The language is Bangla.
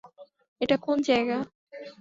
এটা কোন জায়গা?